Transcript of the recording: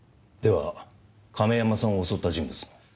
では亀山さんを襲った人物の？